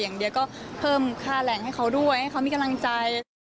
อย่างเดียวก็เพิ่มค่าแรงให้เขาด้วยให้เขามีกำลังใจ